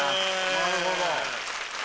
なるほど。